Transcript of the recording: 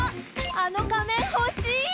「あの仮面ほしい！」。